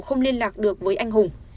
không liên lạc được với anh hùng